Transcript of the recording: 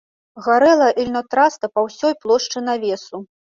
Гарэла ільнотраста па ўсёй плошчы навесу.